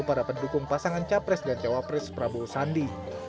para pendukung pasangan capres dan cawapres prabowo sandi